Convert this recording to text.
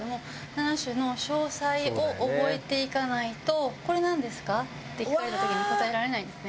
７種の詳細を覚えていかないと「これなんですか？」って聞かれた時に答えられないんですね。